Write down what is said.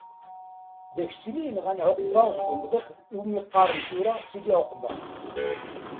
D Aksil i yenɣan Ɛuqba deg umḍiq iwmi qqaren tura Sidi-Ɛuqba.